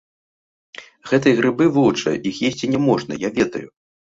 Гэтыя грыбы воўчыя, іх есці няможна, я ведаю.